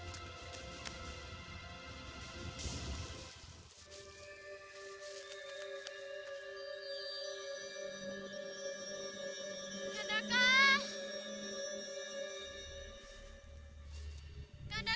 aku akan jadi anak terkait di desa